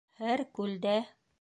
Һәр күлдә...